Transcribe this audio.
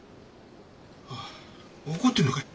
あ怒ってんのかい？